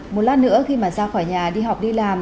một lát nữa khi mà ra khỏi nhà đi học đi làm